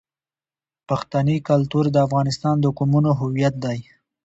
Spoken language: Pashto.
پښتني کلتور د افغانستان د قومونو هویت دی.